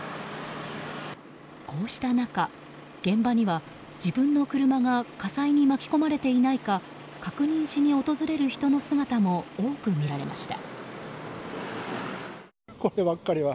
こうした中、現場には自分の車が火災に巻き込まれていないか確認しに訪れる人の姿も多く見られました。